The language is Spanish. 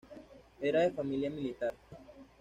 Era de familia militar.